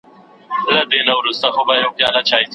تکنالوژي د صنعت په برخه کې لوی بدلون راوستی دی.